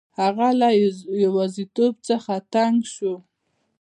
هغه له یوازیتوب څخه تنګ شو.